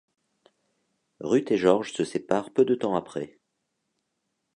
Ruth et Georges se séparent peu de temps après.